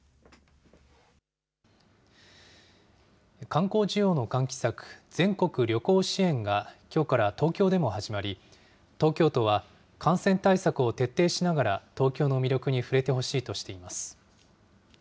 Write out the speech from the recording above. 観光需要の喚起策、全国旅行支援がきょうから東京でも始まり、東京都は、感染対策を徹底しながら、東京の魅力に触れてほしいとしています。